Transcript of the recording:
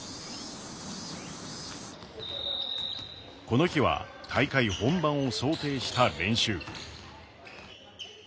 この日は大会本番を想定した練習。